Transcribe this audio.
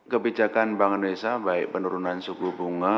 kebijakan bank indonesia baik penurunan suku bunga